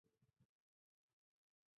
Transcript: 也是古代士人未得功名时所穿衣服。